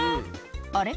「あれ？